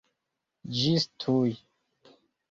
Ĝis tuj!